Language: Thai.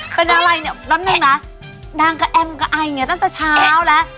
คืออะไรน้ำหนึ่งน่ะนางกับแอมกับไอล์นี่ตั้งแต่เช้าแล้ว